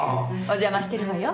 お邪魔してるわよ